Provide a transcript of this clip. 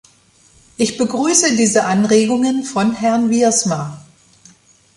Ich begrüße diese Anregungen von Herrn Wiersma.